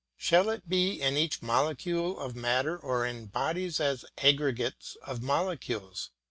Shall it be in each molecule of matter or in bodies as aggregates of molecules?